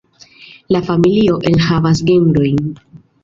La familio enhavas genrojn.